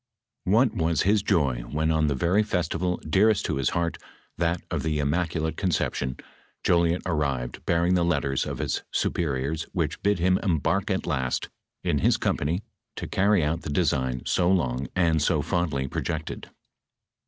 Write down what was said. What was his joy when on the very festival dearest to his heart, that of the Immaculate Concep tion, Jolliet arrived bearing the letters of his superiors which bid him embark at last, in his company to carry out the de sign so long, and so fondly projected.